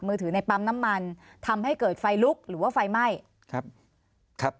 ยังไม่มีใช่ไหมคะ